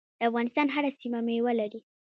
د افغانستان هره سیمه میوه لري.